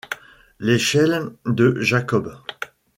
L’échelle de Jacob,